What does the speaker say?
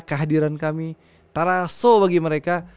kehadiran kami taraso bagi mereka